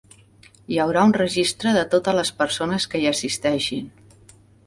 Hi haurà un registre de totes les persones que hi assisteixin.